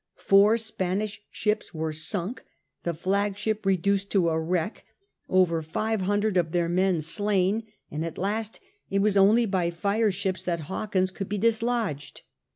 Four Spanish ships were sunk, the flagship reduced to a wreck, over five hundred of their men slain, and at last it was only by fire ships that Hawkins could be dislodged.